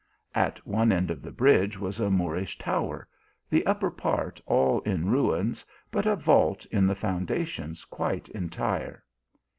At one end of the bridge was a Moorish tower, the upper part all in ruins, but a vault in the foundations quite entire.